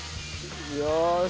よし。